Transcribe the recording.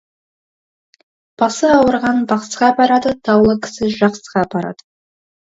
Басы ауырған бақсыға барады, даулы кісі жақсыға барады.